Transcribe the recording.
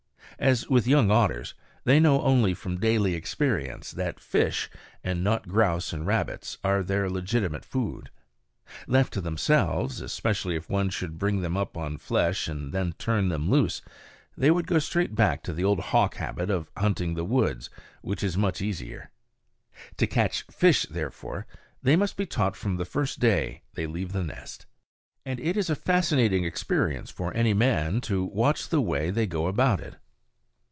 As with young otters, they know only from daily experience that fish, and not grouse and rabbits, are their legitimate food. Left to themselves, especially if one should bring them up on flesh and then turn them loose, they would go straight back to the old hawk habit of hunting the woods, which is much easier. To catch fish, therefore, they must be taught from the first day they leave the nest. And it is a fascinating experience for any man to watch the way they go about it.